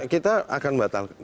kita akan batalkan